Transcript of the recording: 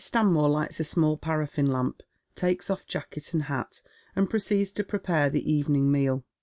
Stanmore lights a small parafline lamp, takes off jacket and hat, and proceeds to prepare the evening meal.